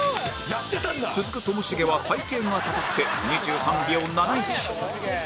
続くともしげは体形がたたって２３秒７１